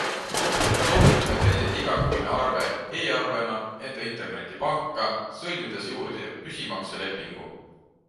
Soovitame tellida igakuine arve e-arvena enda internetipanka sõlmides juurde püsimakselepingu.